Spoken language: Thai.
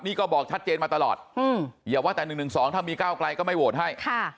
นี่ก็บอกชัดเจนมาตลอดอย่าว่าแต่๑๑๒ถ้ามีก้าวไกลก็ไม่โหวตให้